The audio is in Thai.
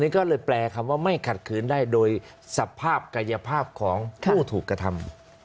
ก็เลยแปลคำว่าไม่ขัดขืนได้โดยสภาพกายภาพของผู้ถูกกระทำ